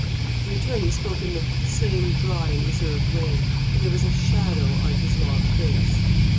The attorney spoke in the same dry and reserved way, and there was a shadow on his long face.